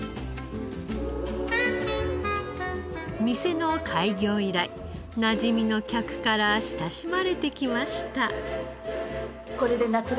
店の開業以来なじみの客から親しまれてきました。